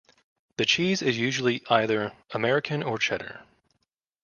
The cheese is usually either American or Cheddar.